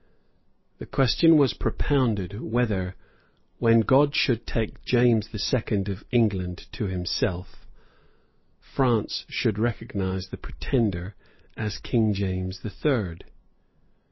The question was propounded, whether, when God should take James the Second of England to himself, France should recognise the Pretender as King James the Third?